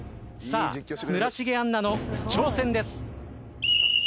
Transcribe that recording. さあ村重杏奈の挑戦です。